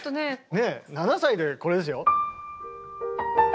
ねえ７歳でこれですよ。